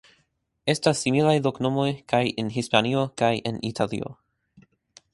Estas similaj loknomoj kaj en Hispanio kaj en Italio.